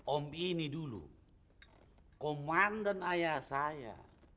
om ini dulu komandan ayah saya